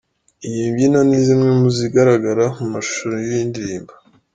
Izi mbyino ni zimwe muzigaragara mu mashusho y'iyi ndirimbo.